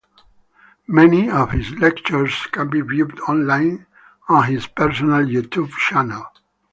Many of his lectures can be viewed online on his personal YouTube channel.